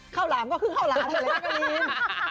ข้าวล้ำก็คือข้าวล้ำเลยล่ะการีน